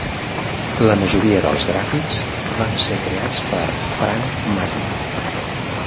La majoria dels gràfics van ser creats per Frank Maddin.